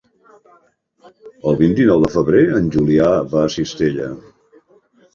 El vint-i-nou de febrer en Julià va a Cistella.